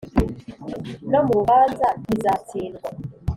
no mu rubanza ntizatsindwa